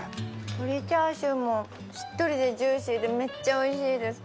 鶏チャーシューもしっとりでジューシーでめっちゃおいしいです。